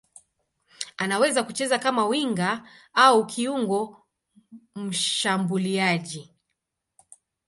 Anaweza kucheza kama winga au kiungo mshambuliaji.